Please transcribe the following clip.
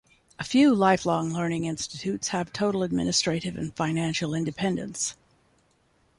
A few lifelong learning institutes have total administrative and financial independence.